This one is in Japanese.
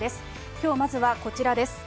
きょう、まずはこちらです。